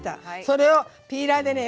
それをピーラーでね